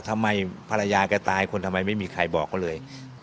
ทำไมภรรยาแกตายคนทำไมไม่มีใครบอกเขาเลย